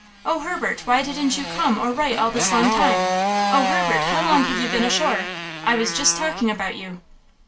Oh, Herbert, why didn't you come or write all this long time? Oh, Herbert, how long have you been ashore? I was just talking about you."